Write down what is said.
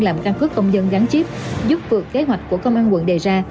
làm căn cứ công dân gắn chip giúp vượt kế hoạch của công an quận đề ra